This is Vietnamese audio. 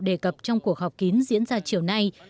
đề cập trong cuộc họp kín diễn ra chiều nay